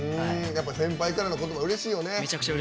先輩からの言葉うれしいよね。